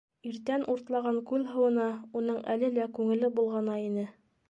- Иртән уртлаған күл һыуына уның әле лә күңеле болғана ине.